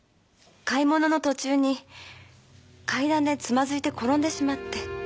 買い物の途中に階段でつまずいて転んでしまって。